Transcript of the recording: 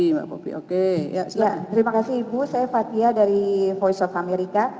terima kasih ibu saya fathia dari voice of america